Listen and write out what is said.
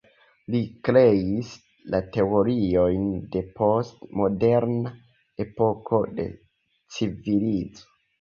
Li kreis la teorion de post-moderna epoko de civilizo.